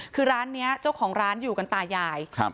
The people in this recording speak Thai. คือร้านนี้เจ้าของร้านอยู่กันตายายครับ